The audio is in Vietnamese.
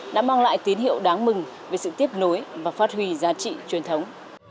đã mang lại tín hiệu đáng mừng về sự tiếp nối và phát huy giá trị truyền thống